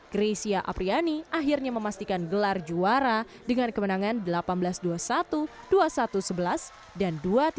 greysia apriani akhirnya memastikan gelar juara dengan kemenangan delapan belas dua puluh satu dua puluh satu sebelas dan dua tiga